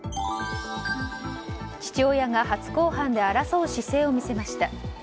父親が初公判で争う姿勢を見せました。